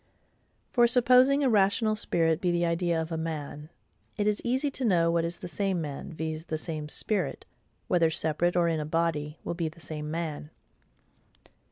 For, supposing a rational spirit be the idea of a MAN, it is easy to know what is the same man, viz. the same spirit—whether separate or in a body—will be the SAME MAN.